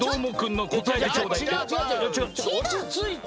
おちついて！